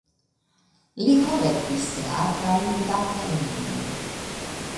Li kolektis teatrajn datenojn.